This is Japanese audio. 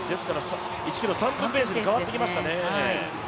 １ｋｍ３分ペースに変わってきましたね。